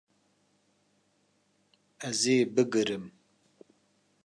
Ez ê bigirim